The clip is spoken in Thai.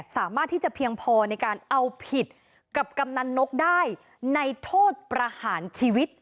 สามารถที่จะเพียงพอในการเอาผิดกับกำนันนกได้ในโทษประหารชีวิต